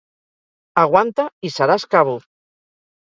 Aguanta i seràs cabo.